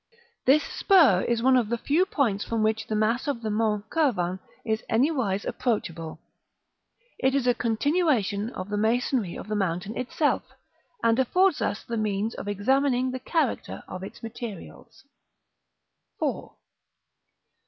This spur is one of the few points from which the mass of the Mont Cervin is in anywise approachable. It is a continuation of the masonry of the mountain itself, and affords us the means of examining the character of its materials. § IV.